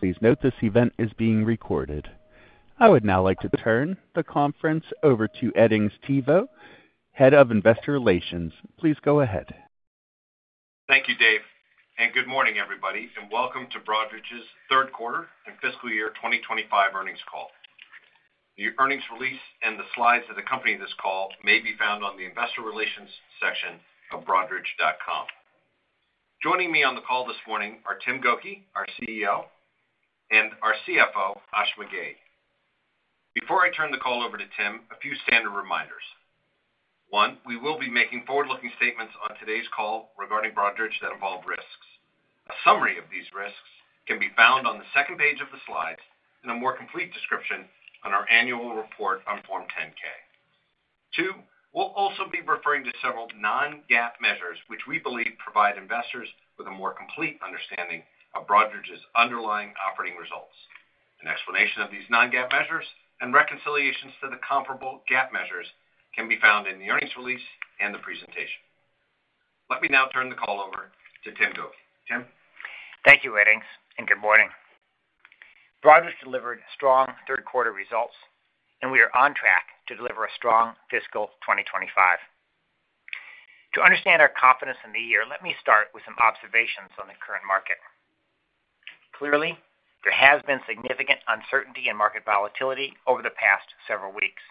Please note this event is being recorded. I would now like to turn the conference over to Edings Thibault, Head of Investor Relations. Please go ahead. Thank you, Dave, and good morning, everybody, and welcome to Broadridge's third quarter and fiscal year 2025 earnings call. The earnings release and the slides that accompany this call may be found on the Investor Relations section of broadridge.com. Joining me on the call this morning are Tim Gokey, our CEO, and our CFO, Ashima Ghei. Before I turn the call over to Tim, a few standard reminders. One, we will be making forward-looking statements on today's call regarding Broadridge that involve risks. A summary of these risks can be found on the second page of the slides and a more complete description on our annual report on Form 10-K. Two, we'll also be referring to several non-GAAP measures, which we believe provide investors with a more complete understanding of Broadridge's underlying operating results. An explanation of these non-GAAP measures and reconciliations to the comparable GAAP measures can be found in the earnings release and the presentation. Let me now turn the call over to Tim Gokey. Tim. Thank you, Edings, and good morning. Broadridge delivered strong third-quarter results, and we are on track to deliver a strong fiscal 2025. To understand our confidence in the year, let me start with some observations on the current market. Clearly, there has been significant uncertainty and market volatility over the past several weeks.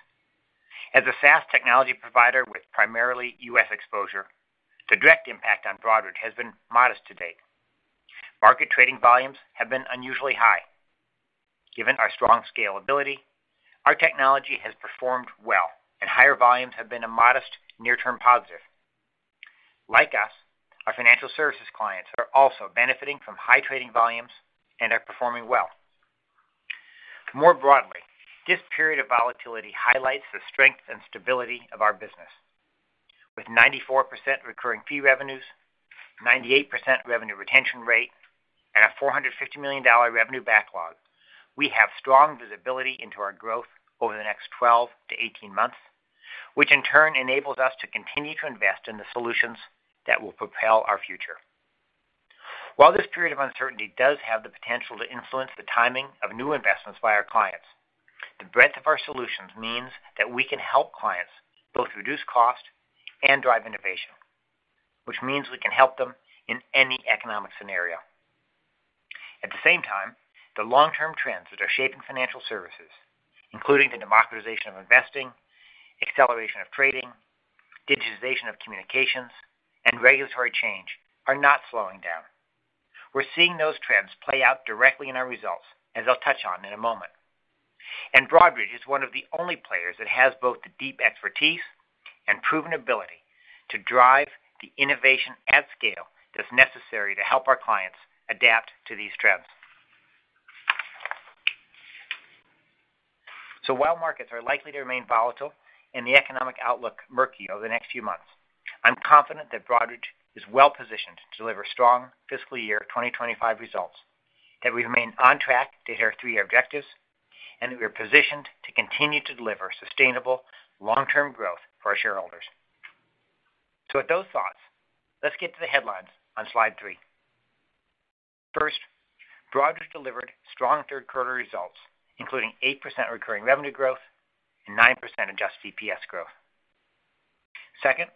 As a SaaS technology provider with primarily U.S. exposure, the direct impact on Broadridge has been modest to date. Market trading volumes have been unusually high. Given our strong scalability, our technology has performed well, and higher volumes have been a modest near-term positive. Like us, our financial services clients are also benefiting from high trading volumes and are performing well. More broadly, this period of volatility highlights the strength and stability of our business. With 94% recurring fee revenues, 98% revenue retention rate, and a $450 million revenue backlog, we have strong visibility into our growth over the next 12-18 months, which in turn enables us to continue to invest in the solutions that will propel our future. While this period of uncertainty does have the potential to influence the timing of new investments by our clients, the breadth of our solutions means that we can help clients both reduce cost and drive innovation, which means we can help them in any economic scenario. At the same time, the long-term trends that are shaping financial services, including the democratization of investing, acceleration of trading, digitization of communications, and regulatory change, are not slowing down. We're seeing those trends play out directly in our results, as I'll touch on in a moment. Broadridge is one of the only players that has both the deep expertise and proven ability to drive the innovation at scale that is necessary to help our clients adapt to these trends. While markets are likely to remain volatile and the economic outlook murky over the next few months, I am confident that Broadridge is well positioned to deliver strong fiscal year 2025 results, that we remain on track to hit our three-year objectives, and that we are positioned to continue to deliver sustainable long-term growth for our shareholders. With those thoughts, let's get to the headlines on slide three. First, Broadridge delivered strong third-quarter results, including 8% recurring revenue growth and 9% adjusted EPS growth. Second,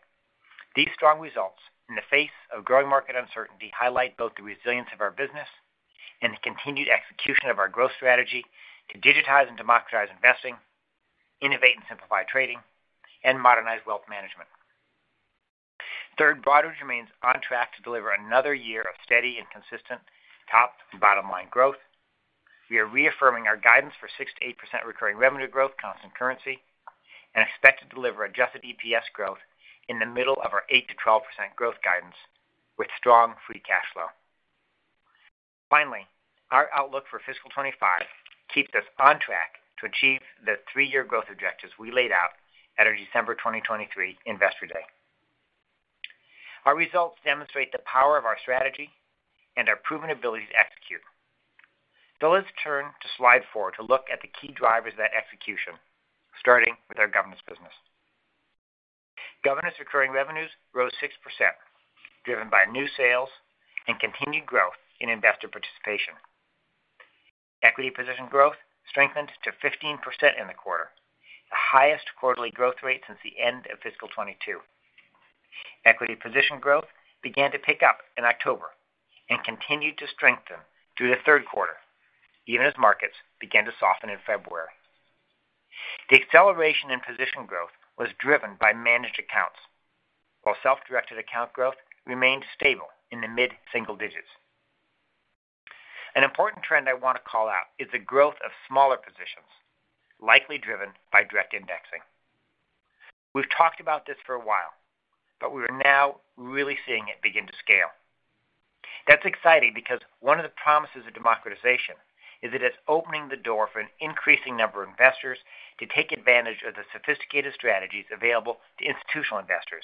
these strong results in the face of growing market uncertainty highlight both the resilience of our business and the continued execution of our growth strategy to digitize and democratize investing, innovate and simplify trading, and modernize wealth management. Third, Broadridge remains on track to deliver another year of steady and consistent top and bottom-line growth. We are reaffirming our guidance for 6%-8% recurring revenue growth, constant currency, and expect to deliver adjusted EPS growth in the middle of our 8%-12% growth guidance with strong free cash flow. Finally, our outlook for fiscal 2025 keeps us on track to achieve the three-year growth objectives we laid out at our December 2023 Investor Day. Our results demonstrate the power of our strategy and our proven ability to execute. Let's turn to slide four to look at the key drivers of that execution, starting with our governance business. Governance recurring revenues rose 6%, driven by new sales and continued growth in investor participation. Equity position growth strengthened to 15% in the quarter, the highest quarterly growth rate since the end of fiscal 2022. Equity position growth began to pick up in October and continued to strengthen through the third quarter, even as markets began to soften in February. The acceleration in position growth was driven by managed accounts, while self-directed account growth remained stable in the mid-single digits. An important trend I want to call out is the growth of smaller positions, likely driven by direct indexing. We've talked about this for a while, but we are now really seeing it begin to scale. That's exciting because one of the promises of democratization is that it's opening the door for an increasing number of investors to take advantage of the sophisticated strategies available to institutional investors,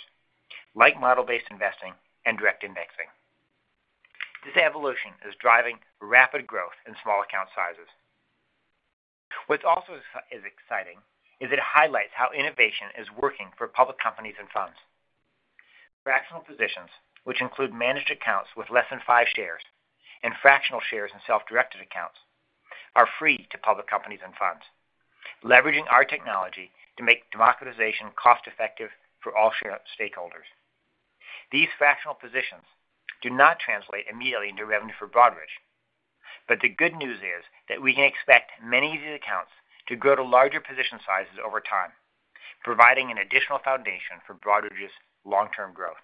like model-based investing and direct indexing. This evolution is driving rapid growth in small account sizes. What's also exciting is that it highlights how innovation is working for public companies and funds. Fractional positions, which include managed accounts with less than five shares and fractional shares in self-directed accounts, are free to public companies and funds, leveraging our technology to make democratization cost-effective for all stakeholders. These fractional positions do not translate immediately into revenue for Broadridge, but the good news is that we can expect many of these accounts to grow to larger position sizes over time, providing an additional foundation for Broadridge's long-term growth.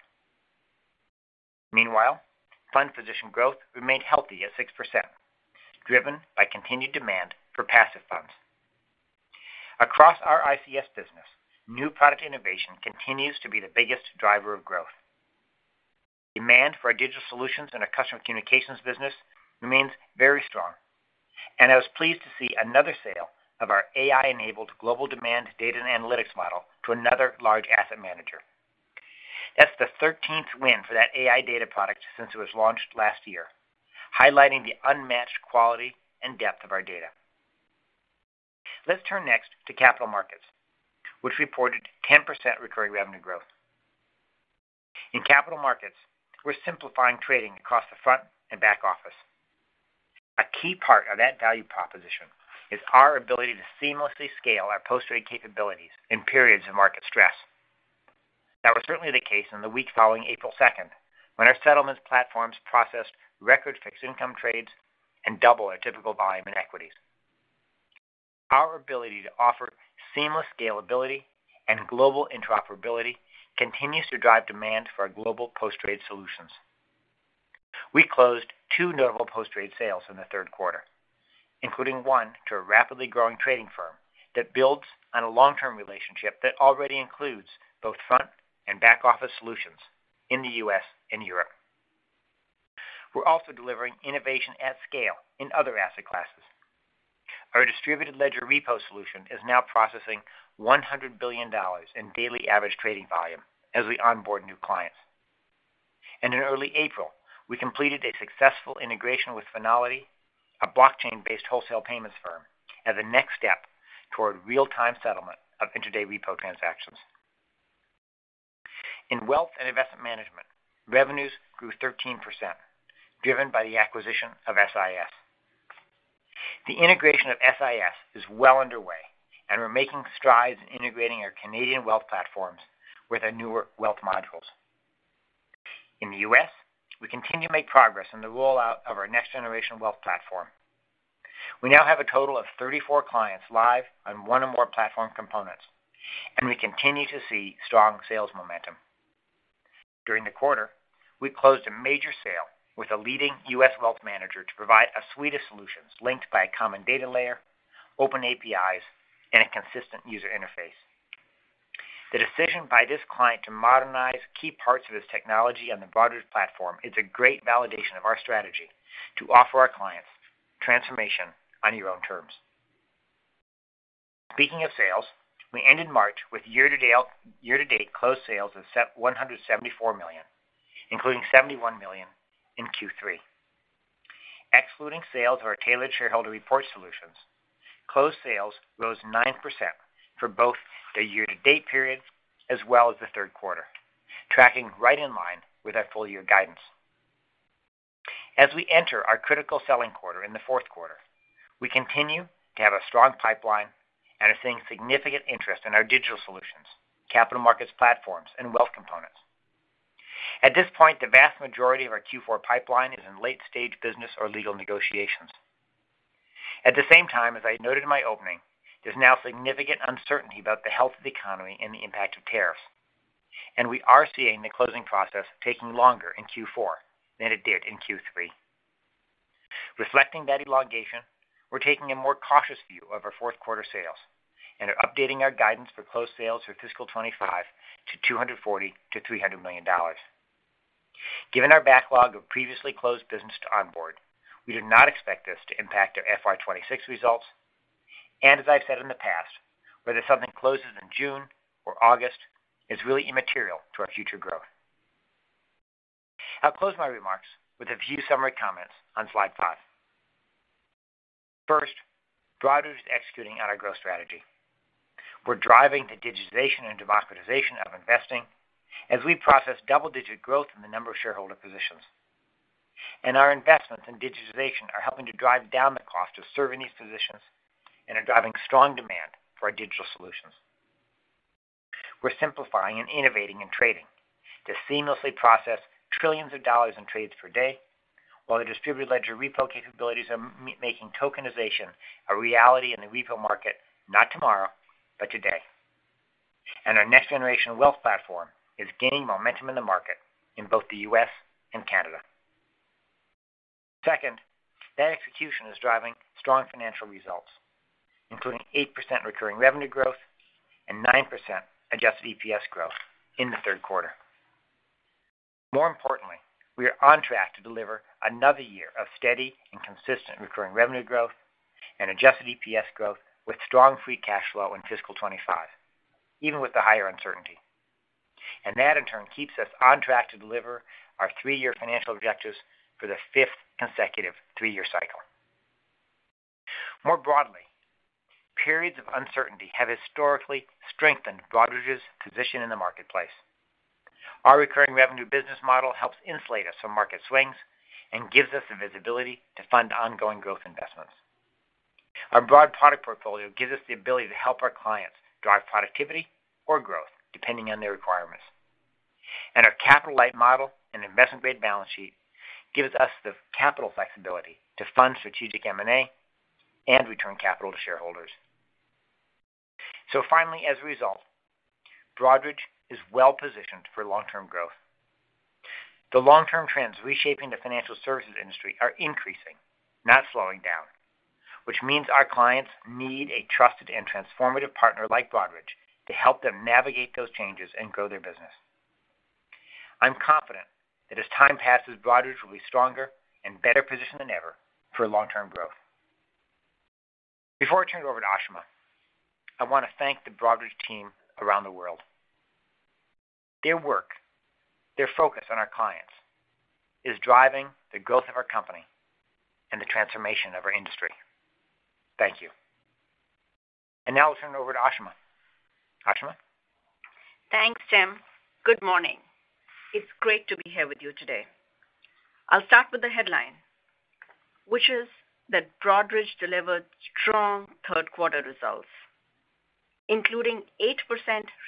Meanwhile, fund position growth remained healthy at 6%, driven by continued demand for passive funds. Across our ICS business, new product innovation continues to be the biggest driver of growth. Demand for our digital solutions and our customer communications business remains very strong, and I was pleased to see another sale of our AI-enabled global demand data and analytics model to another large asset manager. That's the 13th win for that AI data product since it was launched last year, highlighting the unmatched quality and depth of our data. Let's turn next to capital markets, which reported 10% recurring revenue growth. In capital markets, we're simplifying trading across the front and back office. A key part of that value proposition is our ability to seamlessly scale our post-trade capabilities in periods of market stress. That was certainly the case in the week following April 2nd, when our settlements platforms processed record fixed income trades and double our typical volume in equities. Our ability to offer seamless scalability and global interoperability continues to drive demand for our global post-trade solutions. We closed two notable post-trade sales in the third quarter, including one to a rapidly growing trading firm that builds on a long-term relationship that already includes both front and back office solutions in the U.S. and Europe. We are also delivering innovation at scale in other asset classes. Our distributed ledger repo solution is now processing $100 billion in daily average trading volume as we onboard new clients. In early April, we completed a successful integration with Fnality, a blockchain-based wholesale payments firm, as a next step toward real-time settlement of intraday repo transactions. In wealth and investment management, revenues grew 13%, driven by the acquisition of SIS. The integration of SIS is well underway, and we're making strides in integrating our Canadian wealth platforms with our newer wealth modules. In the U.S., we continue to make progress in the rollout of our next-generation wealth platform. We now have a total of 34 clients live on one or more platform components, and we continue to see strong sales momentum. During the quarter, we closed a major sale with a leading U.S. wealth manager to provide a suite of solutions linked by a common data layer, open APIs, and a consistent user interface. The decision by this client to modernize key parts of his technology on the Broadridge platform is a great validation of our strategy to offer our clients transformation on your own terms. Speaking of sales, we ended March with year-to-date closed sales of $174 million, including $71 million in Q3. Excluding sales of our Tailored Shareholder Report solutions, closed sales rose 9% for both the year-to-date period as well as the third quarter, tracking right in line with our full-year guidance. As we enter our critical selling quarter in the fourth quarter, we continue to have a strong pipeline and are seeing significant interest in our digital solutions, capital markets platforms, and wealth components. At this point, the vast majority of our Q4 pipeline is in late-stage business or legal negotiations. At the same time, as I noted in my opening, there's now significant uncertainty about the health of the economy and the impact of tariffs, and we are seeing the closing process taking longer in Q4 than it did in Q3. Reflecting that elongation, we're taking a more cautious view of our fourth quarter sales and are updating our guidance for closed sales for fiscal 2025 to $240 million-$300 million. Given our backlog of previously closed business to onboard, we do not expect this to impact our FY 2026 results. As I've said in the past, whether something closes in June or August is really immaterial to our future growth. I'll close my remarks with a few summary comments on slide five. First, Broadridge is executing on our growth strategy. We're driving the digitization and democratization of investing as we process double-digit growth in the number of shareholder positions. Our investments in digitization are helping to drive down the cost of serving these positions and are driving strong demand for our digital solutions. We're simplifying and innovating in trading to seamlessly process trillions of dollars in trades per day, while the distributed ledger repo capabilities are making tokenization a reality in the repo market, not tomorrow, but today. Our next-generation wealth platform is gaining momentum in the market in both the U.S. and Canada. Second, that execution is driving strong financial results, including 8% recurring revenue growth and 9% adjusted EPS growth in the third quarter. More importantly, we are on track to deliver another year of steady and consistent recurring revenue growth and adjusted EPS growth with strong free cash flow in fiscal 2025, even with the higher uncertainty. That, in turn, keeps us on track to deliver our three-year financial objectives for the fifth consecutive three-year cycle. More broadly, periods of uncertainty have historically strengthened Broadridge's position in the marketplace. Our recurring revenue business model helps insulate us from market swings and gives us the visibility to fund ongoing growth investments. Our broad product portfolio gives us the ability to help our clients drive productivity or growth depending on their requirements. Our capital-light model and investment-grade balance sheet gives us the capital flexibility to fund strategic M&A and return capital to shareholders. Finally, as a result, Broadridge is well positioned for long-term growth. The long-term trends reshaping the financial services industry are increasing, not slowing down, which means our clients need a trusted and transformative partner like Broadridge to help them navigate those changes and grow their business. I'm confident that as time passes, Broadridge will be stronger and better positioned than ever for long-term growth. Before I turn it over to Ashima, I want to thank the Broadridge team around the world. Their work, their focus on our clients, is driving the growth of our company and the transformation of our industry. Thank you. Now I'll turn it over to Ashima. Ashima? Thanks, Tim. Good morning. It's great to be here with you today. I'll start with the headline, which is that Broadridge delivered strong third-quarter results, including 8%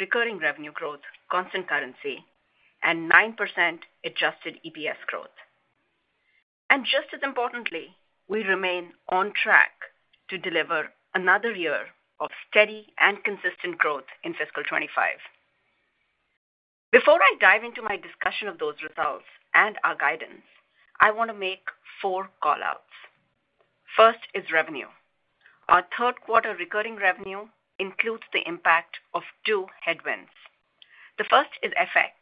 recurring revenue growth, constant currency, and 9% adjusted EPS growth. Just as importantly, we remain on track to deliver another year of steady and consistent growth in fiscal 2025. Before I dive into my discussion of those results and our guidance, I want to make four callouts. First is revenue. Our third-quarter recurring revenue includes the impact of two headwinds. The first is FX,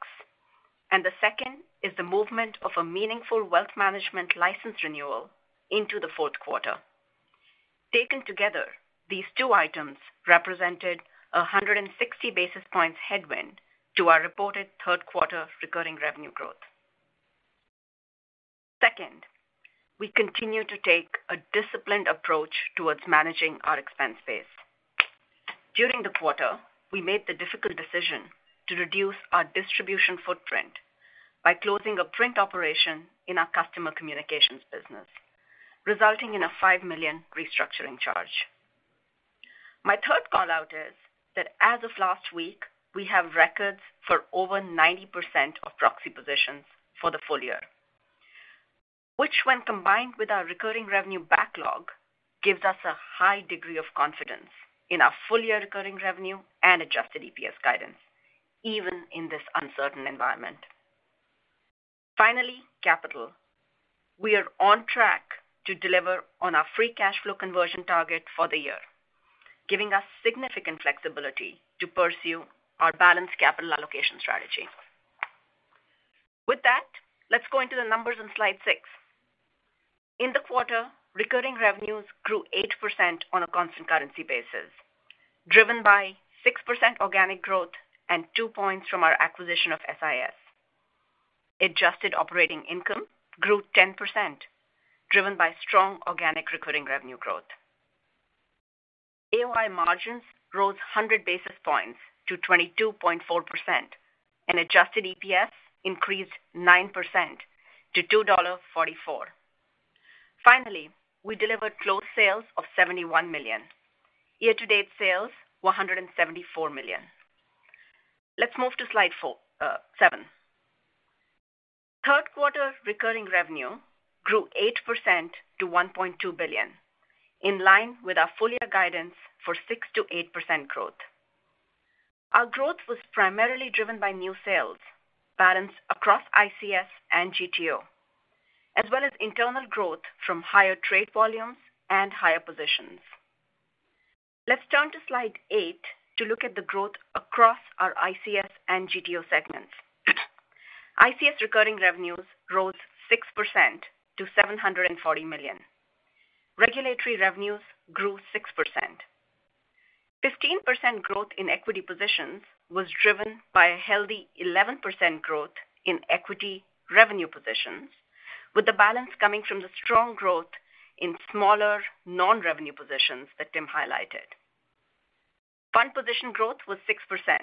and the second is the movement of a meaningful wealth management license renewal into the fourth quarter. Taken together, these two items represented a 160 basis points headwind to our reported third-quarter recurring revenue growth. Second, we continue to take a disciplined approach towards managing our expense base. During the quarter, we made the difficult decision to reduce our distribution footprint by closing a print operation in our customer communications business, resulting in a $5 million restructuring charge. My third callout is that as of last week, we have records for over 90% of proxy positions for the full year, which, when combined with our recurring revenue backlog, gives us a high degree of confidence in our full-year recurring revenue and adjusted EPS guidance, even in this uncertain environment. Finally, capital. We are on track to deliver on our free cash flow conversion target for the year, giving us significant flexibility to pursue our balanced capital allocation strategy. With that, let's go into the numbers in slide six. In the quarter, recurring revenues grew 8% on a constant currency basis, driven by 6% organic growth and two points from our acquisition of SIS. Adjusted operating income grew 10%, driven by strong organic recurring revenue growth. AOI margins rose 100 basis points to 22.4%, and adjusted EPS increased 9% to $2.44. Finally, we delivered closed sales of $71 million. Year-to-date sales, $174 million. Let's move to slide seven. Third-quarter recurring revenue grew 8% to $1.2 billion, in line with our full-year guidance for 6%-8% growth. Our growth was primarily driven by new sales balanced across ICS and GTO, as well as internal growth from higher trade volumes and higher positions. Let's turn to slide eight to look at the growth across our ICS and GTO segments. ICS recurring revenues rose 6% to $740 million. Regulatory revenues grew 6%. 15% growth in equity positions was driven by a healthy 11% growth in equity revenue positions, with the balance coming from the strong growth in smaller non-revenue positions that Tim highlighted. Fund position growth was 6%.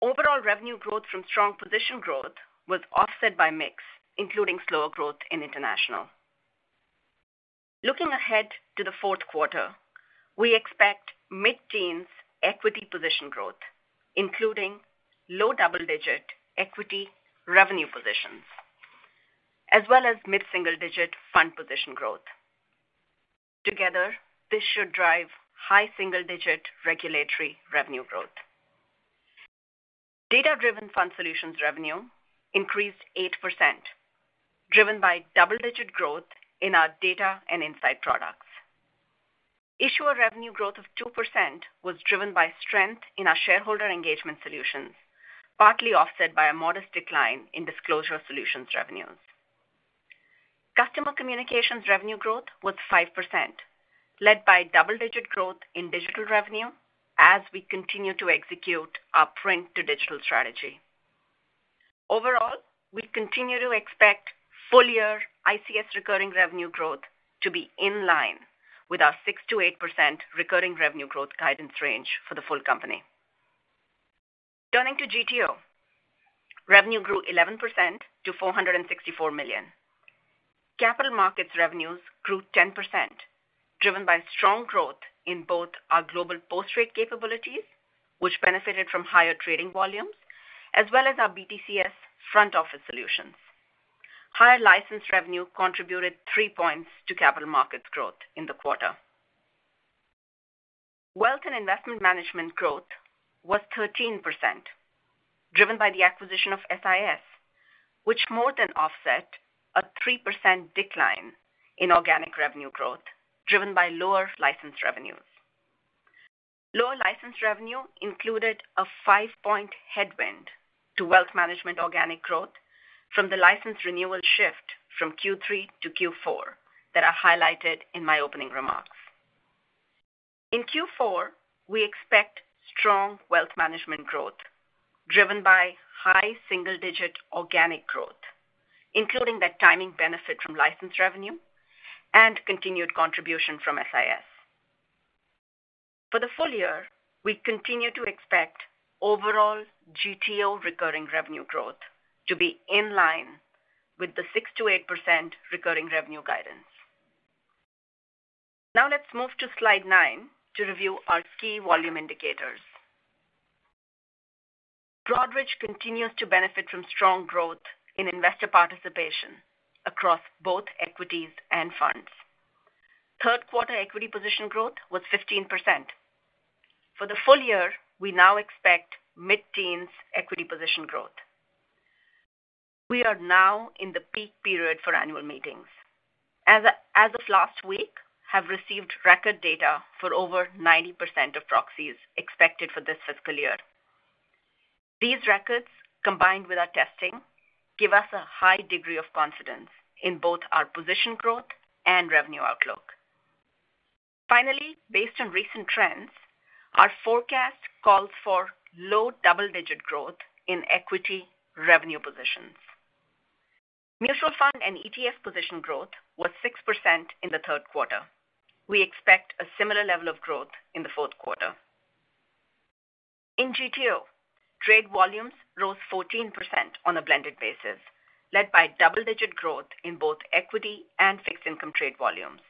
Overall revenue growth from strong position growth was offset by mix, including slower growth in international. Looking ahead to the fourth quarter, we expect mid-teens equity position growth, including low double-digit equity revenue positions, as well as mid-single-digit fund position growth. Together, this should drive high single-digit regulatory revenue growth. Data-driven fund solutions revenue increased 8%, driven by double-digit growth in our data and insight products. Issuer revenue growth of 2% was driven by strength in our shareholder engagement solutions, partly offset by a modest decline in disclosure solutions revenues. Customer communications revenue growth was 5%, led by double-digit growth in digital revenue as we continue to execute our print-to-digital strategy. Overall, we continue to expect full-year ICS recurring revenue growth to be in line with our 6%-8% recurring revenue growth guidance range for the full company. Turning to GTO, revenue grew 11% to $464 million. Capital markets revenues grew 10%, driven by strong growth in both our global post-trade capabilities, which benefited from higher trading volumes, as well as our BTCS front office solutions. Higher license revenue contributed three points to capital markets growth in the quarter. Wealth and investment management growth was 13%, driven by the acquisition of SIS, which more than offset a 3% decline in organic revenue growth, driven by lower license revenues. Lower license revenue included a five-point headwind to wealth management organic growth from the license renewal shift from Q3 to Q4 that I highlighted in my opening remarks. In Q4, we expect strong wealth management growth, driven by high single-digit organic growth, including that timing benefit from license revenue and continued contribution from SIS. For the full year, we continue to expect overall GTO recurring revenue growth to be in line with the 6%-8% recurring revenue guidance. Now let's move to slide nine to review our key volume indicators. Broadridge continues to benefit from strong growth in investor participation across both equities and funds. Third-quarter equity position growth was 15%. For the full year, we now expect mid-teens equity position growth. We are now in the peak period for annual meetings. As of last week, we have received record data for over 90% of proxies expected for this fiscal year. These records, combined with our testing, give us a high degree of confidence in both our position growth and revenue outlook. Finally, based on recent trends, our forecast calls for low double-digit growth in equity revenue positions. Mutual fund and ETF position growth was 6% in the third quarter. We expect a similar level of growth in the fourth quarter. In GTO, trade volumes rose 14% on a blended basis, led by double-digit growth in both equity and fixed income trade volumes.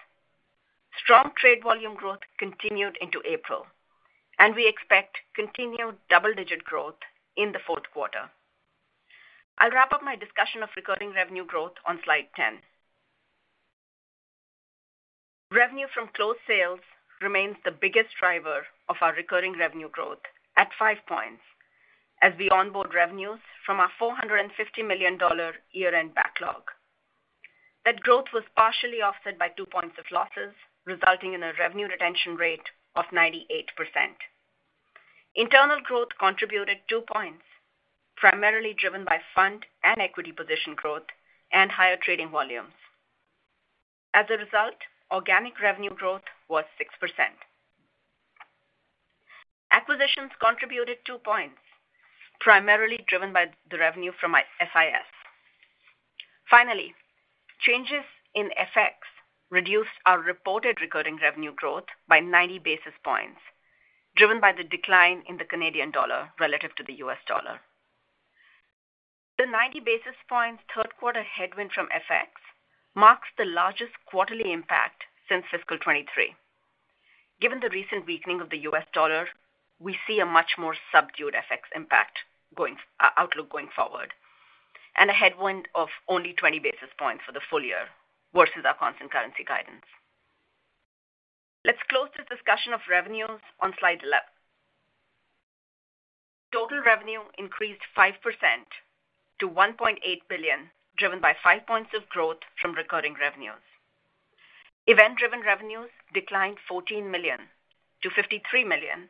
Strong trade volume growth continued into April, and we expect continued double-digit growth in the fourth quarter. I'll wrap up my discussion of recurring revenue growth on slide 10. Revenue from closed sales remains the biggest driver of our recurring revenue growth at five points as we onboard revenues from our $450 million year-end backlog. That growth was partially offset by two points of losses, resulting in a revenue retention rate of 98%. Internal growth contributed two points, primarily driven by fund and equity position growth and higher trading volumes. As a result, organic revenue growth was 6%. Acquisitions contributed two points, primarily driven by the revenue from SIS. Finally, changes in FX reduced our reported recurring revenue growth by 90 basis points, driven by the decline in the Canadian dollar relative to the U.S. dollar. The 90 basis points third-quarter headwind from FX marks the largest quarterly impact since fiscal 2023. Given the recent weakening of the U.S. dollar, we see a much more subdued FX impact outlook going forward and a headwind of only 20 basis points for the full year versus our constant currency guidance. Let's close this discussion of revenues on slide 11. Total revenue increased 5% to $1.8 billion, driven by five points of growth from recurring revenues. Event-driven revenues declined $14 million-$53 million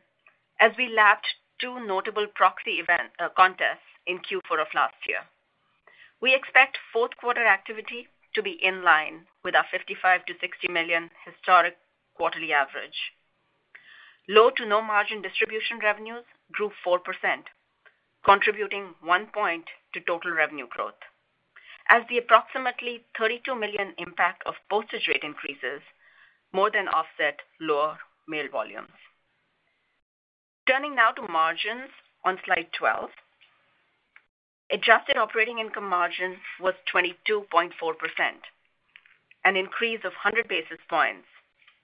as we lapped two notable proxy contests in Q4 of last year. We expect fourth-quarter activity to be in line with our $55 million-$60 million historic quarterly average. Low to no margin distribution revenues grew 4%, contributing one point to total revenue growth, as the approximately $32 million impact of postage rate increases more than offset lower mail volumes. Turning now to margins on slide 12, adjusted operating income margin was 22.4%, an increase of 100 basis points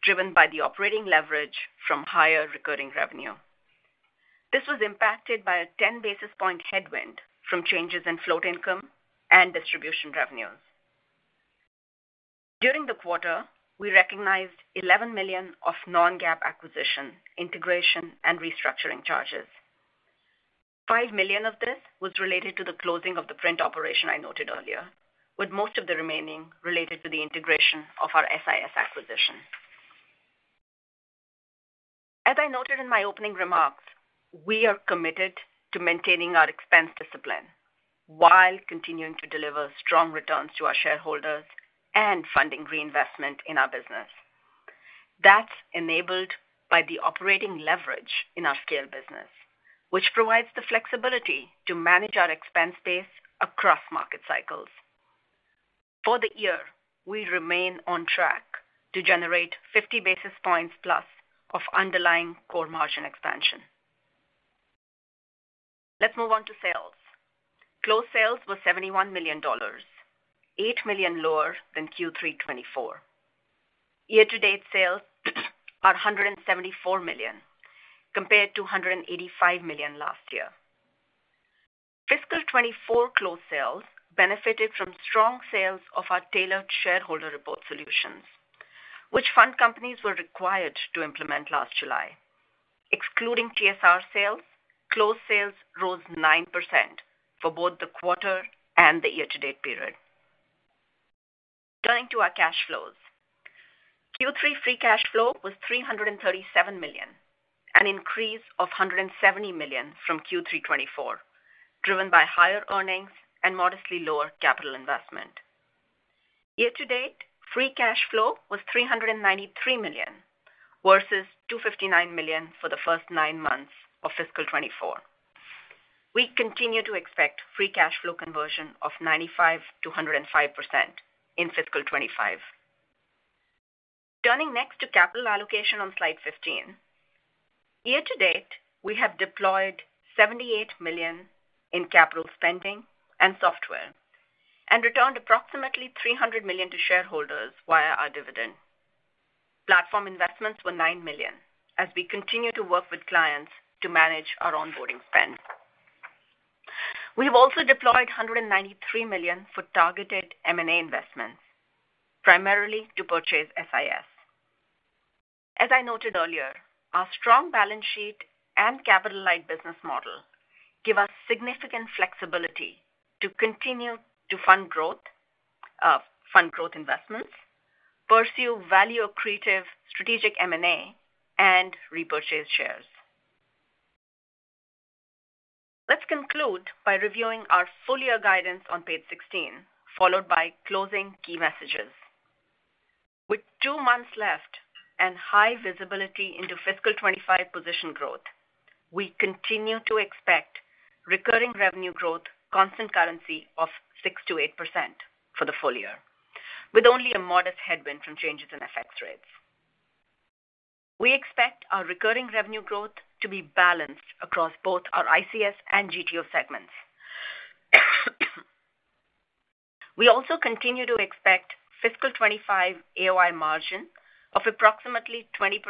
driven by the operating leverage from higher recurring revenue. This was impacted by a 10 basis point headwind from changes in float income and distribution revenues. During the quarter, we recognized $11 million of non-GAAP acquisition, integration, and restructuring charges. $5 million of this was related to the closing of the print operation I noted earlier, with most of the remaining related to the integration of our SIS acquisition. As I noted in my opening remarks, we are committed to maintaining our expense discipline while continuing to deliver strong returns to our shareholders and funding reinvestment in our business. That's enabled by the operating leverage in our scale business, which provides the flexibility to manage our expense base across market cycles. For the year, we remain on track to generate 50 basis points plus of underlying core margin expansion. Let's move on to sales. Closed sales were $71 million, $8 million lower than Q3 2024. Year-to-date sales are $174 million, compared to $185 million last year. Fiscal 2024 closed sales benefited from strong sales of our Tailored Shareholder Report solutions, which fund companies were required to implement last July. Excluding TSR sales, closed sales rose 9% for both the quarter and the year-to-date period. Turning to our cash flows, Q3 free cash flow was $337 million, an increase of $170 million from Q3 2024, driven by higher earnings and modestly lower capital investment. Year-to-date free cash flow was $393 million versus $259 million for the first nine months of fiscal 2024. We continue to expect free cash flow conversion of 95%-105% in fiscal 2025. Turning next to capital allocation on slide 15, year-to-date, we have deployed $78 million in capital spending and software and returned approximately $300 million to shareholders via our dividend. Platform investments were $9 million as we continue to work with clients to manage our onboarding spend. We have also deployed $193 million for targeted M&A investments, primarily to purchase SIS. As I noted earlier, our strong balance sheet and capital-light business model give us significant flexibility to continue to fund growth investments, pursue value-accretive strategic M&A, and repurchase shares. Let's conclude by reviewing our full-year guidance on page 16, followed by closing key messages. With two months left and high visibility into fiscal 2025 position growth, we continue to expect recurring revenue growth, constant currency of 6%-8% for the full year, with only a modest headwind from changes in FX rates. We expect our recurring revenue growth to be balanced across both our ICS and GTO segments. We also continue to expect fiscal 2025 AOI margin of approximately 20%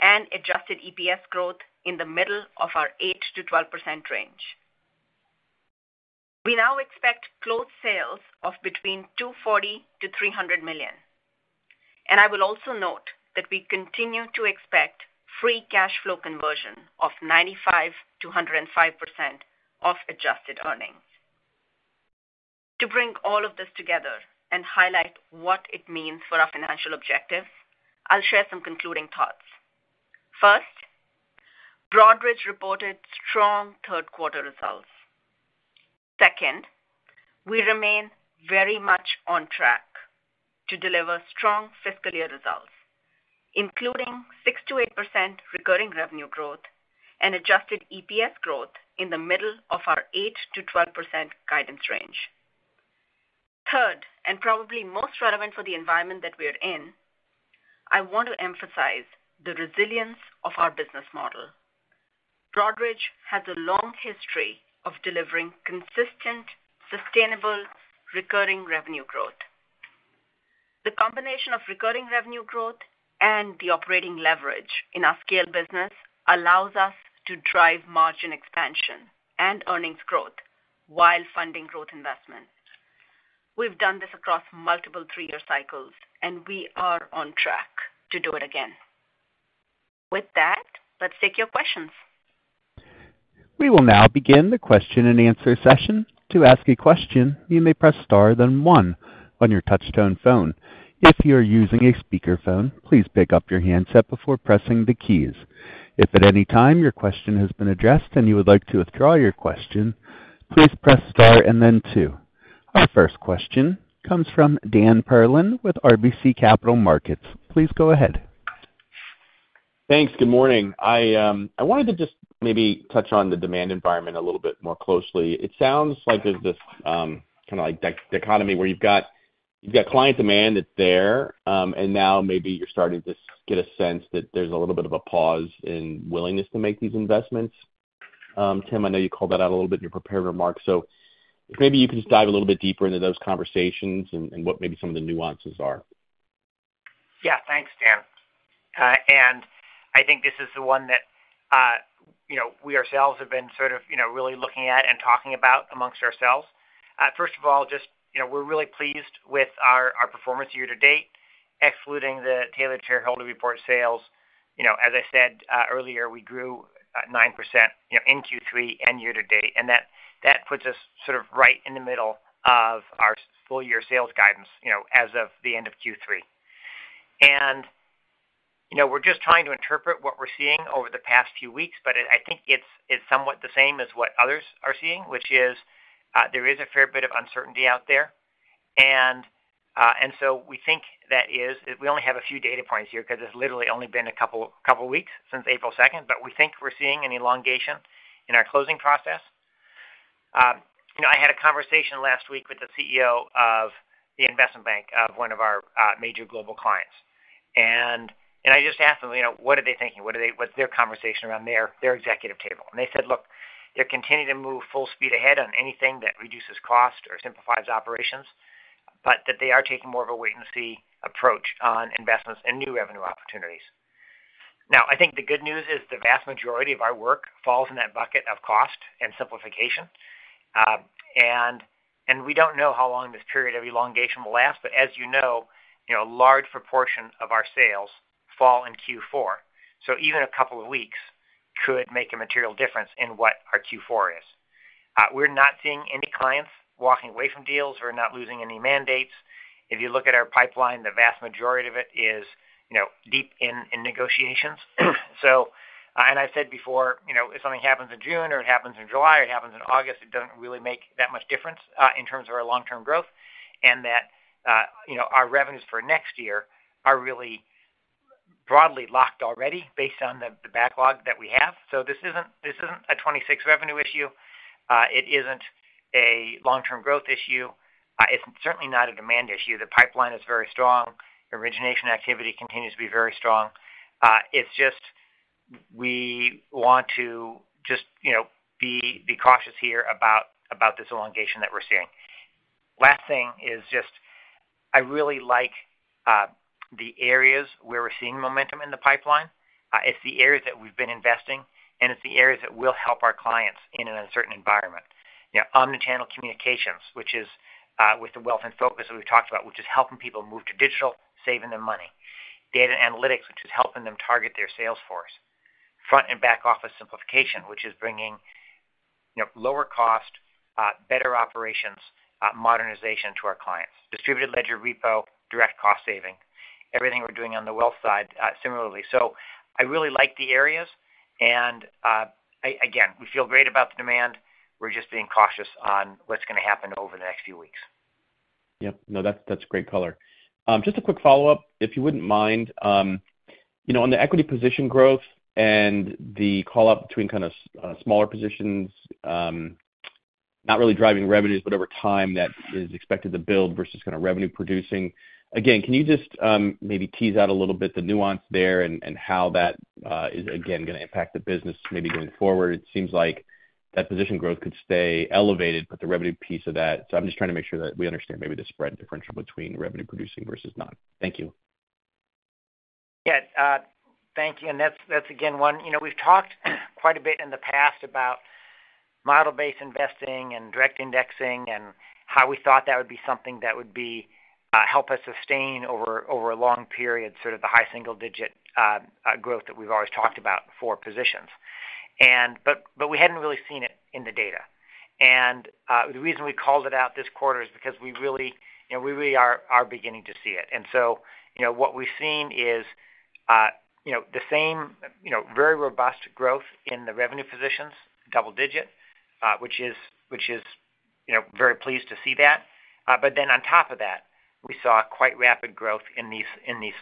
and adjusted EPS growth in the middle of our 8%-12% range. We now expect closed sales of between $240 million and $300 million. I will also note that we continue to expect free cash flow conversion of 95%-105% of adjusted earnings. To bring all of this together and highlight what it means for our financial objectives, I'll share some concluding thoughts. First, Broadridge reported strong third-quarter results. Second, we remain very much on track to deliver strong fiscal year results, including 6%-8% recurring revenue growth and adjusted EPS growth in the middle of our 8%-12% guidance range. Third, and probably most relevant for the environment that we are in, I want to emphasize the resilience of our business model. Broadridge has a long history of delivering consistent, sustainable recurring revenue growth. The combination of recurring revenue growth and the operating leverage in our scale business allows us to drive margin expansion and earnings growth while funding growth investments. We've done this across multiple three-year cycles, and we are on track to do it again. With that, let's take your questions. We will now begin the question and answer session. To ask a question, you may press star then one on your touchtone phone. If you're using a speakerphone, please pick up your handset before pressing the keys. If at any time your question has been addressed and you would like to withdraw your question, please press star and then two. Our first question comes from Dan Perlin with RBC Capital Markets. Please go ahead. Thanks. Good morning. I wanted to just maybe touch on the demand environment a little bit more closely. It sounds like there's this kind of dichotomy where you've got client demand that's there, and now maybe you're starting to get a sense that there's a little bit of a pause in willingness to make these investments. Tim, I know you called that out a little bit in your prepared remarks. If maybe you could just dive a little bit deeper into those conversations and what maybe some of the nuances are. Yeah. Thanks, Dan. I think this is the one that we ourselves have been sort of really looking at and talking about amongst ourselves. First of all, just we're really pleased with our performance year-to-date, excluding the Tailored Shareholder Report sales. As I said earlier, we grew 9% in Q3 and year-to-date, and that puts us sort of right in the middle of our full-year sales guidance as of the end of Q3. We're just trying to interpret what we're seeing over the past few weeks, but I think it's somewhat the same as what others are seeing, which is there is a fair bit of uncertainty out there. We think that is we only have a few data points here because it's literally only been a couple of weeks since April 2nd, but we think we're seeing an elongation in our closing process. I had a conversation last week with the CEO of the investment bank of one of our major global clients. I just asked them, "What are they thinking? What's their conversation around their executive table?" They said, "Look, they're continuing to move full speed ahead on anything that reduces cost or simplifies operations, but they are taking more of a wait-and-see approach on investments and new revenue opportunities." I think the good news is the vast majority of our work falls in that bucket of cost and simplification. We don't know how long this period of elongation will last, but as you know, a large proportion of our sales fall in Q4. Even a couple of weeks could make a material difference in what our Q4 is. We're not seeing any clients walking away from deals. We're not losing any mandates. If you look at our pipeline, the vast majority of it is deep in negotiations. I've said before, if something happens in June or it happens in July or it happens in August, it doesn't really make that much difference in terms of our long-term growth and that our revenues for next year are really broadly locked already based on the backlog that we have. This isn't a 2026 revenue issue. It isn't a long-term growth issue. It's certainly not a demand issue. The pipeline is very strong. Origination activity continues to be very strong. We just want to be cautious here about this elongation that we're seeing. Last thing is just I really like the areas where we're seeing momentum in the pipeline. It's the areas that we've been investing, and it's the areas that will help our clients in a certain environment. Omni-channel communications, which is with the Wealth InFocus that we've talked about, which is helping people move to digital, saving them money. Data analytics, which is helping them target their sales force. Front and back office simplification, which is bringing lower cost, better operations, modernization to our clients. Distributed ledger repo, direct cost saving. Everything we're doing on the wealth side similarly. I really like the areas. Again, we feel great about the demand. We're just being cautious on what's going to happen over the next few weeks. Yep. No, that's great color. Just a quick follow-up. If you wouldn't mind, on the equity position growth and the call-out between kind of smaller positions, not really driving revenues, but over time that is expected to build versus kind of revenue-producing. Again, can you just maybe tease out a little bit the nuance there and how that is, again, going to impact the business maybe going forward? It seems like that position growth could stay elevated, but the revenue piece of that. I am just trying to make sure that we understand maybe the spread differential between revenue-producing versus not. Thank you. Thank you. That is one we have talked quite a bit in the past about model-based investing and direct indexing and how we thought that would be something that would help us sustain over a long period sort of the high single-digit growth that we have always talked about for positions. We had not really seen it in the data. The reason we called it out this quarter is because we really are beginning to see it. What we've seen is the same very robust growth in the revenue positions, double-digit, which is very pleased to see that. Then on top of that, we saw quite rapid growth in these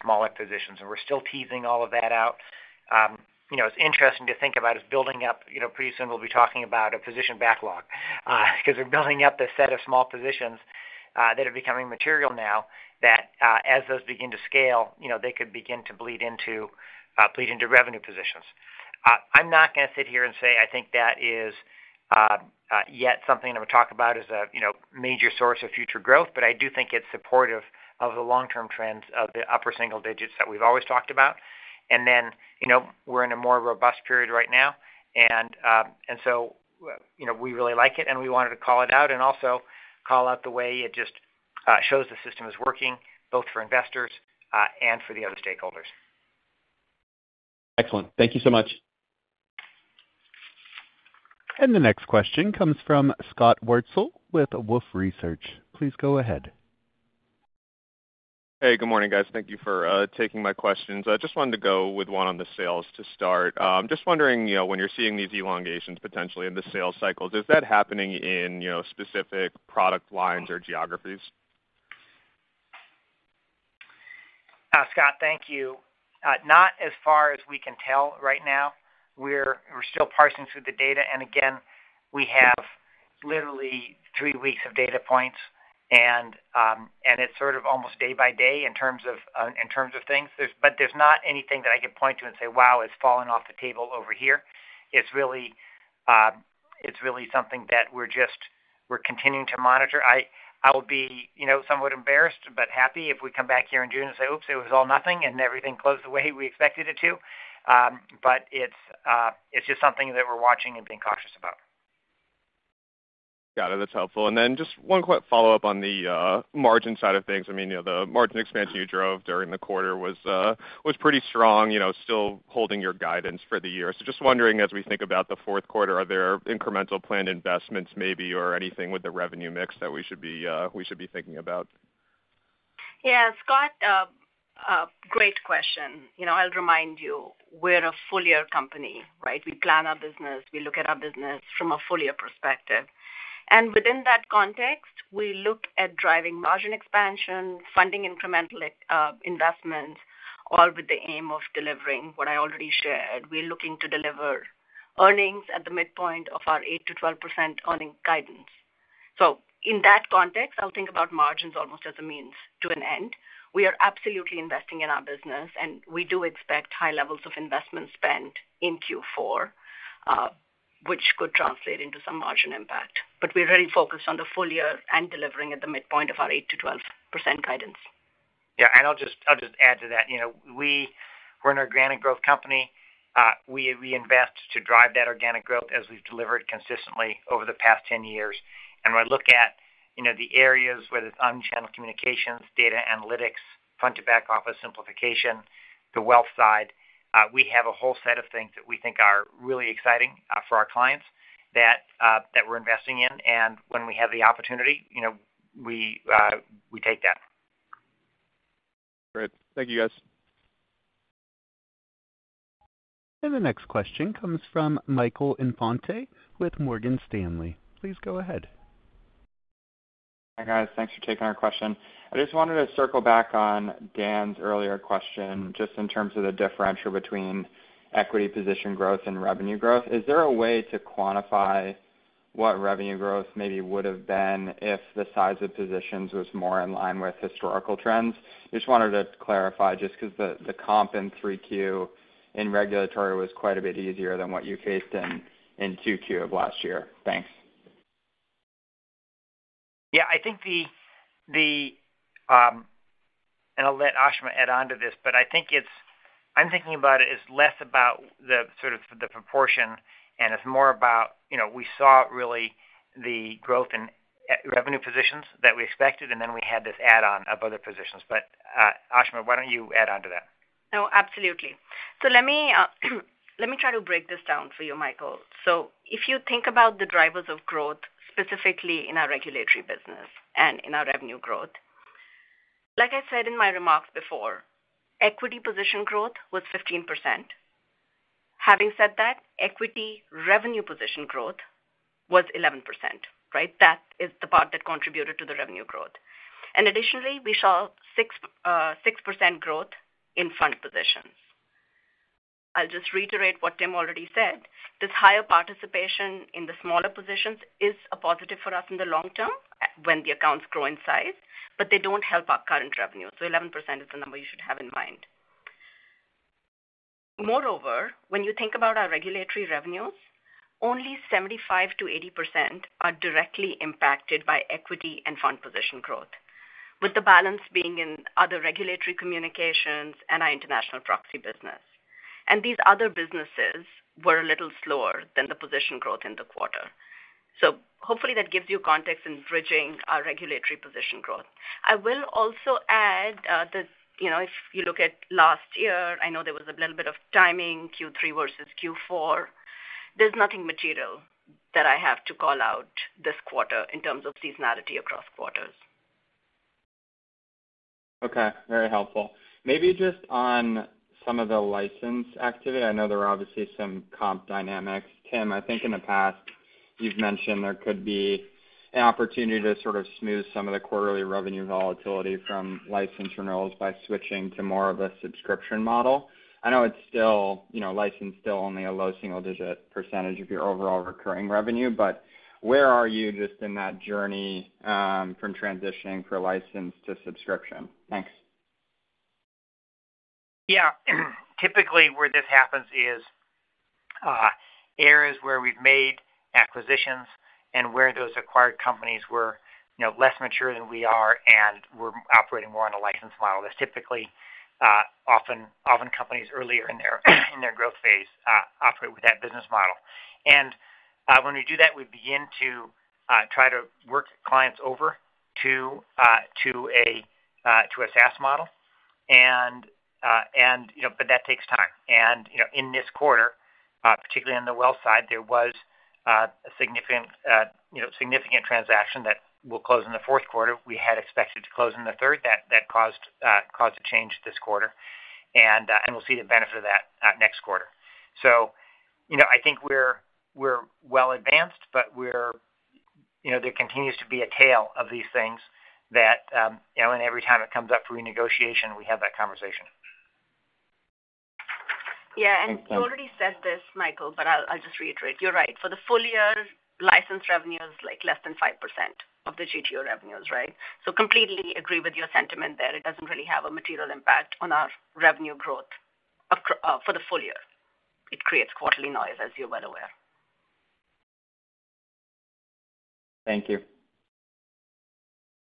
smaller positions. We're still teasing all of that out. It's interesting to think about as building up pretty soon we'll be talking about a position backlog because we're building up a set of small positions that are becoming material now that as those begin to scale, they could begin to bleed into revenue positions. I'm not going to sit here and say I think that is yet something that we talk about as a major source of future growth, but I do think it's supportive of the long-term trends of the upper single digits that we've always talked about. We're in a more robust period right now. We really like it, and we wanted to call it out and also call out the way it just shows the system is working both for investors and for the other stakeholders. Excellent. Thank you so much. The next question comes from Scott Wurtzel with Wolfe Research. Please go ahead. Hey, good morning, guys. Thank you for taking my questions. I just wanted to go with one on the sales to start. I'm just wondering when you're seeing these elongations potentially in the sales cycles, is that happening in specific product lines or geographies? Scott, thank you. Not as far as we can tell right now. We're still parsing through the data. Again, we have literally three weeks of data points, and it's sort of almost day by day in terms of things. There is not anything that I could point to and say, "Wow, it has fallen off the table over here." It is really something that we are just continuing to monitor. I will be somewhat embarrassed but happy if we come back here in June and say, "Oops, it was all nothing," and everything closed the way we expected it to. It is just something that we are watching and being cautious about. Got it. That is helpful. One quick follow-up on the margin side of things. I mean, the margin expansion you drove during the quarter was pretty strong, still holding your guidance for the year. Just wondering, as we think about the fourth quarter, are there incremental planned investments maybe or anything with the revenue mix that we should be thinking about? Yeah. Scott, great question. I will remind you, we are a full-year company, right? We plan our business. We look at our business from a full-year perspective. Within that context, we look at driving margin expansion, funding incremental investments, all with the aim of delivering what I already shared. We are looking to deliver earnings at the midpoint of our 8%-12% earning guidance. In that context, I think about margins almost as a means to an end. We are absolutely investing in our business, and we do expect high levels of investment spend in Q4, which could translate into some margin impact. We are really focused on the full year and delivering at the midpoint of our 8%-12% guidance. Yeah. I will just add to that. We are an organic growth company. We invest to drive that organic growth as we have delivered consistently over the past 10 years. When I look at the areas where there's omnichannel communications, data analytics, front-to-back office simplification, the wealth side, we have a whole set of things that we think are really exciting for our clients that we're investing in. When we have the opportunity, we take that. Great. Thank you, guys. The next question comes from Michael Infante with Morgan Stanley. Please go ahead. Hi, guys. Thanks for taking our question. I just wanted to circle back on Dan's earlier question just in terms of the differential between equity position growth and revenue growth. Is there a way to quantify what revenue growth maybe would have been if the size of positions was more in line with historical trends? I just wanted to clarify just because the comp in 3Q in regulatory was quite a bit easier than what you faced in 2Q of last year. Thanks. Yeah. I think the—and I'll let Ashima add on to this—but I think it's—I'm thinking about it as less about the sort of the proportion, and it's more about we saw really the growth in revenue positions that we expected, and then we had this add-on of other positions. Ashima, why don't you add on to that? No, absolutely. Let me try to break this down for you, Michael. If you think about the drivers of growth specifically in our regulatory business and in our revenue growth, like I said in my remarks before, equity position growth was 15%. Having said that, equity revenue position growth was 11%, right? That is the part that contributed to the revenue growth. Additionally, we saw 6% growth in fund positions. I'll just reiterate what Tim already said. This higher participation in the smaller positions is a positive for us in the long term when the accounts grow in size, but they do not help our current revenue. $11% is the number you should have in mind. Moreover, when you think about our regulatory revenues, only 75%-80% are directly impacted by equity and fund position growth, with the balance being in other regulatory communications and our international proxy business. These other businesses were a little slower than the position growth in the quarter. Hopefully, that gives you context in bridging our regulatory position growth. I will also add that if you look at last year, I know there was a little bit of timing Q3 versus Q4. There is nothing material that I have to call out this quarter in terms of seasonality across quarters. Okay. Very helpful. Maybe just on some of the license activity, I know there are obviously some comp dynamics. Tim, I think in the past, you've mentioned there could be an opportunity to sort of smooth some of the quarterly revenue volatility from license renewals by switching to more of a subscription model. I know license is still only a low single-digit percentage of your overall recurring revenue, but where are you just in that journey from transitioning from license to subscription? Thanks. Yeah. Typically, where this happens is areas where we've made acquisitions and where those acquired companies were less mature than we are and were operating more on a license model. That's typically often companies earlier in their growth phase operate with that business model. When we do that, we begin to try to work clients over to a SaaS model. That takes time. In this quarter, particularly on the wealth side, there was a significant transaction that will close in the fourth quarter. We had expected to close in the third that caused a change this quarter. We will see the benefit of that next quarter. I think we are well-advanced, but there continues to be a tail of these things that every time it comes up for renegotiation, we have that conversation. Yeah. You already said this, Michael, but I will just reiterate. You are right. For the full year, license revenue is less than 5% of the GTO revenues, right? I completely agree with your sentiment there. It does not really have a material impact on our revenue growth for the full year. It creates quarterly noise, as you are well aware. Thank you.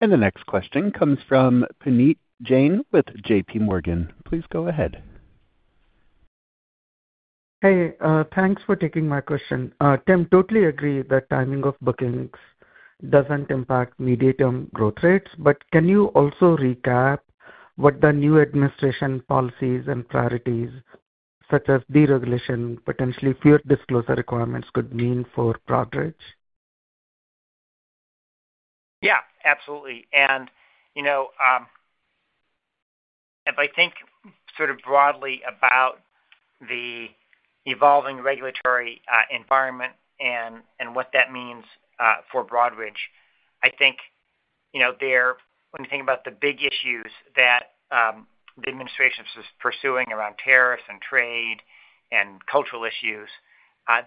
The next question comes from Puneet Jain with JPMorgan. Please go ahead. Hey, thanks for taking my question. Tim, totally agree that timing of bookings does not impact medium-term growth rates. Can you also recap what the new administration policies and priorities, such as deregulation, potentially fewer disclosure requirements, could mean for Broadridge? Yeah. Absolutely. If I think sort of broadly about the evolving regulatory environment and what that means for Broadridge, I think when you think about the big issues that the administration is pursuing around tariffs and trade and cultural issues,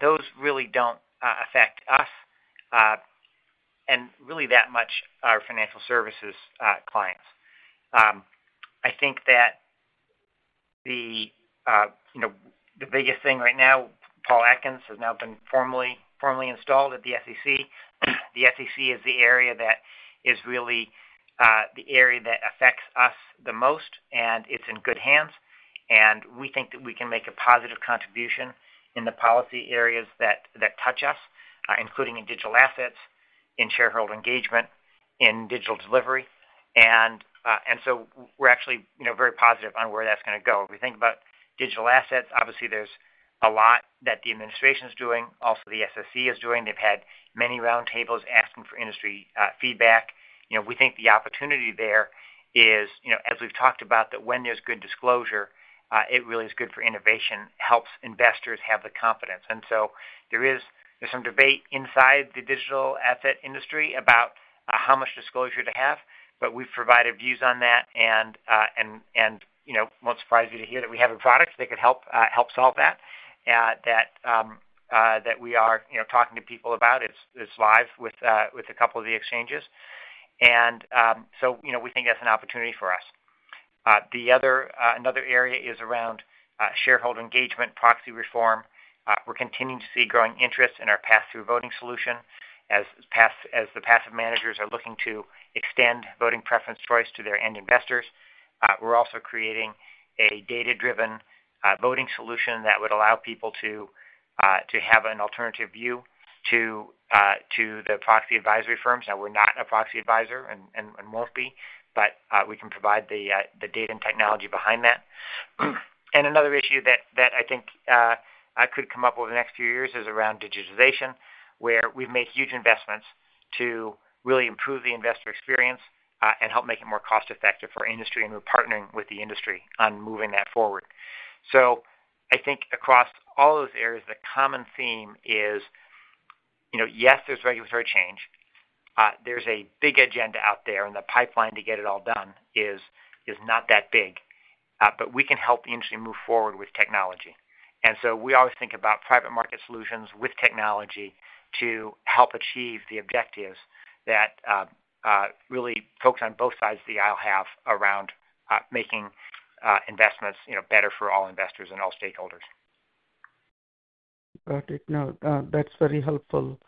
those really do not affect us and really that much our financial services clients. I think that the biggest thing right now, Paul Atkins has now been formally installed at the SEC. The SEC is the area that is really the area that affects us the most, and it is in good hands. We think that we can make a positive contribution in the policy areas that touch us, including in digital assets, in shareholder engagement, in digital delivery. We are actually very positive on where that is going to go. If we think about digital assets, obviously, there is a lot that the administration is doing, also the SEC is doing. They have had many roundtables asking for industry feedback. We think the opportunity there is, as we have talked about, that when there is good disclosure, it really is good for innovation, helps investors have the confidence. There is some debate inside the digital asset industry about how much disclosure to have, but we have provided views on that. It will not surprise you to hear that we have a product that could help solve that that we are talking to people about. It is live with a couple of the exchanges. We think that's an opportunity for us. Another area is around shareholder engagement, proxy reform. We're continuing to see growing interest in our pass-through voting solution as the passive managers are looking to extend voting preference choice to their end investors. We're also creating a data-driven voting solution that would allow people to have an alternative view to the proxy advisory firms. Now, we're not a proxy advisor and won't be, but we can provide the data and technology behind that. Another issue that I think could come up over the next few years is around digitization, where we've made huge investments to really improve the investor experience and help make it more cost-effective for industry. We're partnering with the industry on moving that forward. I think across all those areas, the common theme is, yes, there's regulatory change. There's a big agenda out there, and the pipeline to get it all done is not that big. We can help the industry move forward with technology. We always think about private market solutions with technology to help achieve the objectives that really folks on both sides of the aisle have around making investments better for all investors and all stakeholders. Got it. No, that's very helpful.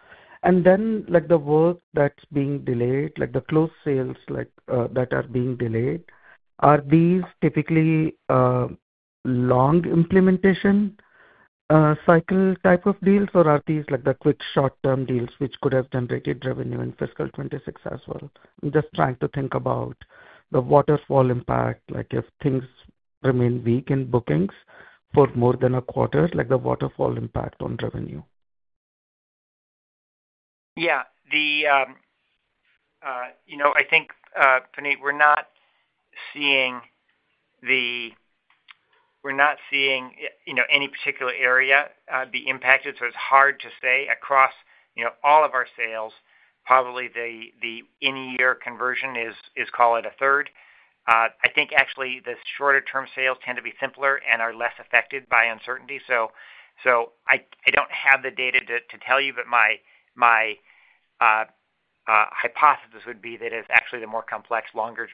The work that's being delayed, the close sales that are being delayed, are these typically long implementation cycle type of deals, or are these the quick short-term deals which could have generated revenue in fiscal 2026 as well? I'm just trying to think about the waterfall impact, like if things remain weak in bookings for more than a quarter, like the waterfall impact on revenue. Yeah. I think, Puneet, we're not seeing any particular area be impacted. It's hard to say. Across all of our sales, probably the in-year conversion is, call it a third. I think actually the shorter-term sales tend to be simpler and are less affected by uncertainty. I do not have the data to tell you, but my hypothesis would be that it's actually the more complex, longer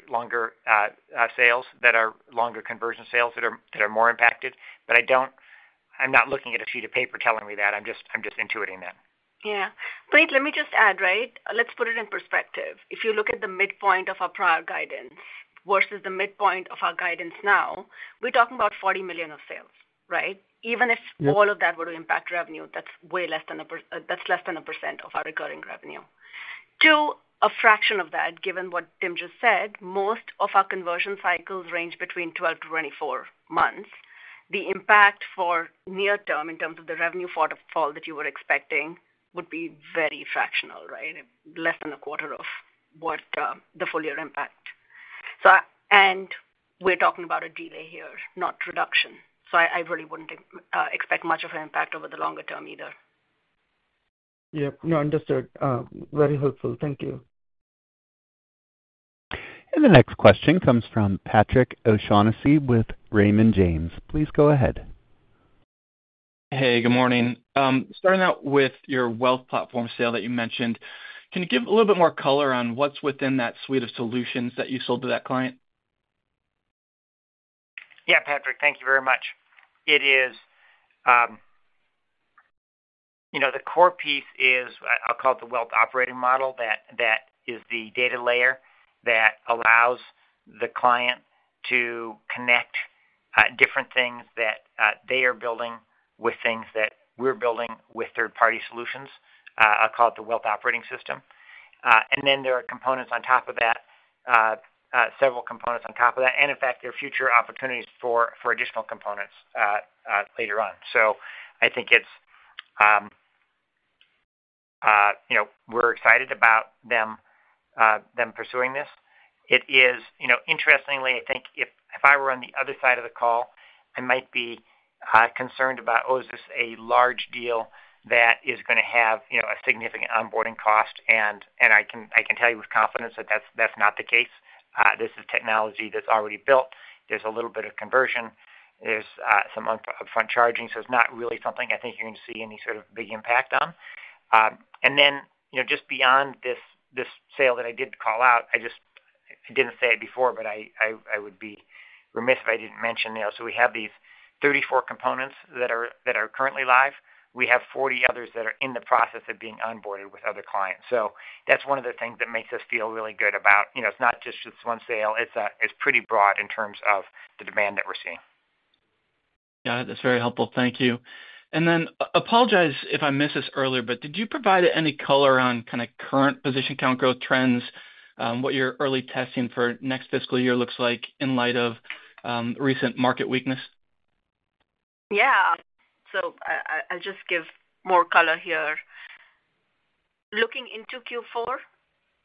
sales that are longer conversion sales that are more impacted. I'm not looking at a sheet of paper telling me that. I'm just intuiting that. Yeah. Puneet, let me just add, right? Let's put it in perspective. If you look at the midpoint of our prior guidance versus the midpoint of our guidance now, we're talking about $40 million of sales, right? Even if all of that were to impact revenue, that's way less than a percent of our recurring revenue. To a fraction of that, given what Tim just said, most of our conversion cycles range between 12-24 months. The impact for near-term in terms of the revenue fall that you were expecting would be very fractional, right? Less than a quarter of what the full-year impact. We are talking about a delay here, not reduction. I really would not expect much of an impact over the longer term either. Yep. No, understood. Very helpful. Thank you. The next question comes from Patrick O'Shaughnessy with Raymond James. Please go ahead. Hey, good morning. Starting out with your wealth platform sale that you mentioned, can you give a little bit more color on what is within that suite of solutions that you sold to that client? Yeah, Patrick, thank you very much. The core piece is, I will call it the wealth operating model. That is the data layer that allows the client to connect different things that they are building with things that we're building with third-party solutions. I'll call it the wealth operating system. There are components on top of that, several components on top of that. In fact, there are future opportunities for additional components later on. I think we're excited about them pursuing this. Interestingly, I think if I were on the other side of the call, I might be concerned about, "Oh, is this a large deal that is going to have a significant onboarding cost?" I can tell you with confidence that that's not the case. This is technology that's already built. There's a little bit of conversion. There's some upfront charging. It's not really something I think you're going to see any sort of big impact on. Just beyond this sale that I did call out, I didn't say it before, but I would be remiss if I didn't mention. We have these 34 components that are currently live. We have 40 others that are in the process of being onboarded with other clients. That is one of the things that makes us feel really good about it's not just this one sale. It is pretty broad in terms of the demand that we're seeing. Got it. That is very helpful. Thank you. I apologize if I missed this earlier, but did you provide any color on kind of current position count growth trends, what your early testing for next fiscal year looks like in light of recent market weakness? Yeah. I will just give more color here. Looking into Q4,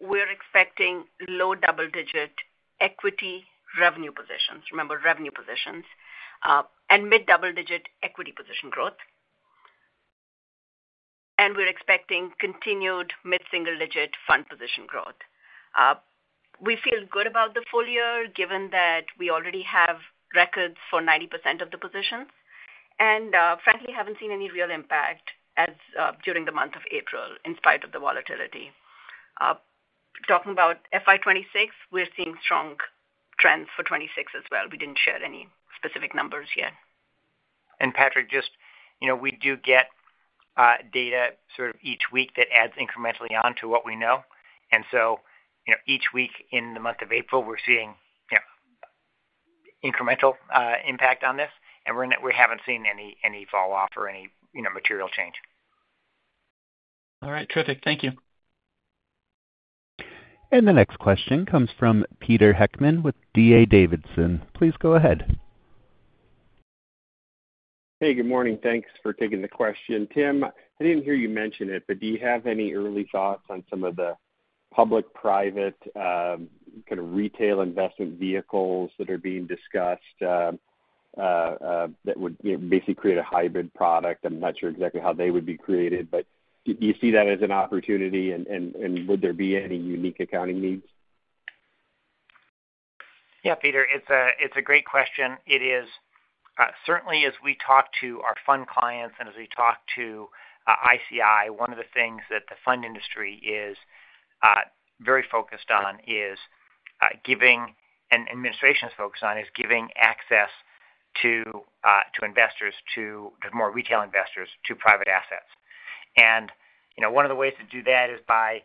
we're expecting low double-digit equity revenue positions, remember revenue positions, and mid-double-digit equity position growth. We're expecting continued mid-single-digit fund position growth. We feel good about the full year given that we already have records for 90% of the positions. Frankly, I haven't seen any real impact during the month of April in spite of the volatility. Talking about FY 2026, we're seeing strong trends for '26 as well. We didn't share any specific numbers yet. Patrick, just we do get data sort of each week that adds incrementally on to what we know. Each week in the month of April, we're seeing incremental impact on this. We haven't seen any falloff or any material change. All right. Terrific. Thank you. The next question comes from Peter Heckmann with D.A. Davidson. Please go ahead. Hey, good morning. Thanks for taking the question. Tim, I didn't hear you mention it, but do you have any early thoughts on some of the public-private kind of retail investment vehicles that are being discussed that would basically create a hybrid product? I'm not sure exactly how they would be created, but do you see that as an opportunity? Would there be any unique accounting needs? Yeah, Peter, it's a great question. It is. Certainly, as we talk to our fund clients and as we talk to ICI, one of the things that the fund industry is very focused on is giving and administration is focused on is giving access to investors, to more retail investors, to private assets. One of the ways to do that is by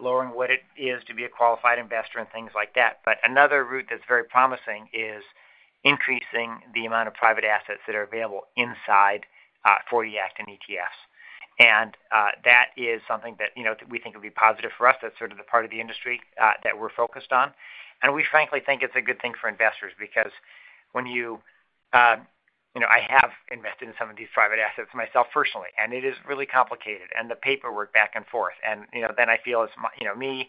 lowering what it is to be a qualified investor and things like that. Another route that's very promising is increasing the amount of private assets that are available inside 40 Act and ETFs. That is something that we think would be positive for us. That's sort of the part of the industry that we're focused on. We frankly think it's a good thing for investors because when you have invested in some of these private assets myself personally, it is really complicated. The paperwork back and forth, and then I feel it's me, and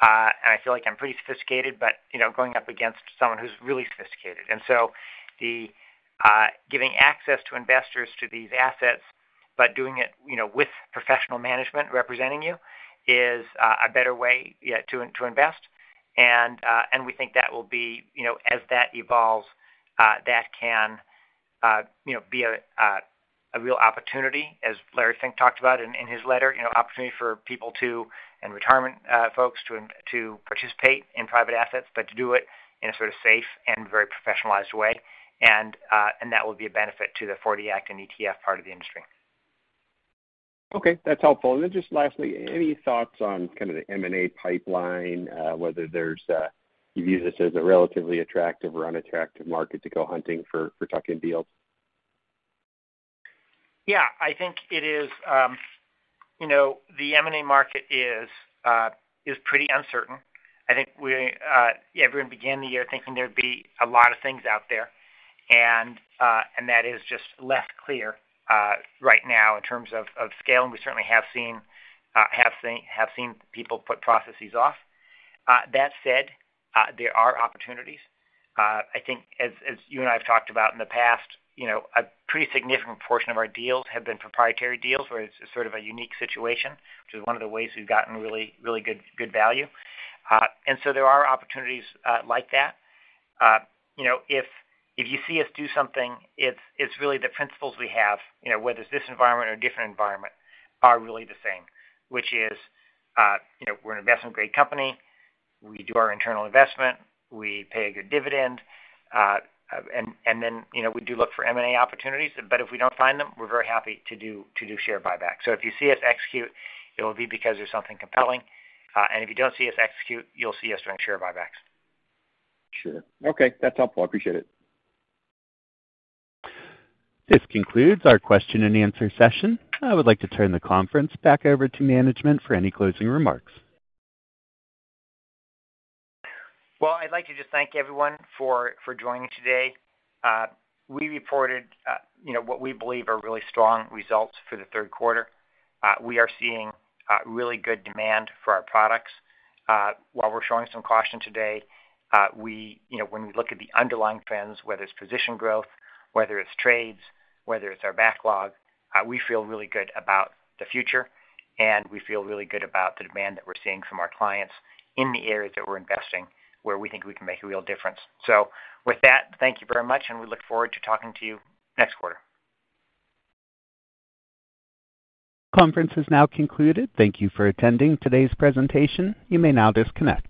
I feel like I'm pretty sophisticated, but going up against someone who's really sophisticated. Giving access to investors to these assets, but doing it with professional management representing you, is a better way to invest. We think that will be, as that evolves, that can be a real opportunity, as Larry Fink talked about in his letter, opportunity for people to and retirement folks to participate in private assets, but to do it in a sort of safe and very professionalized way. That will be a benefit to the 40 Act and ETF part of the industry. Okay. That is helpful. Lastly, any thoughts on kind of the M&A pipeline, whether you view this as a relatively attractive or unattractive market to go hunting for tuck-in deals? Yeah. I think the M&A market is pretty uncertain. I think everyone began the year thinking there would be a lot of things out there. That is just less clear right now in terms of scale. We certainly have seen people put processes off. That said, there are opportunities. I think as you and I have talked about in the past, a pretty significant portion of our deals have been proprietary deals, where it's sort of a unique situation, which is one of the ways we've gotten really good value. There are opportunities like that. If you see us do something, it's really the principles we have, whether it's this environment or a different environment, are really the same, which is we're an investment-grade company. We do our internal investment. We pay a good dividend. We do look for M&A opportunities. If we don't find them, we're very happy to do share buybacks. If you see us execute, it will be because there's something compelling. If you don't see us execute, you'll see us doing share buybacks. Sure. Okay. That's helpful. I appreciate it. This concludes our question and answer session. I would like to turn the conference back over to management for any closing remarks. I would like to just thank everyone for joining today. We reported what we believe are really strong results for the third quarter. We are seeing really good demand for our products. While we're showing some caution today, when we look at the underlying trends, whether it's position growth, whether it's trades, whether it's our backlog, we feel really good about the future. We feel really good about the demand that we're seeing from our clients in the areas that we're investing, where we think we can make a real difference. With that, thank you very much. We look forward to talking to you next quarter. The conference is now concluded. Thank you for attending today's presentation. You may now disconnect.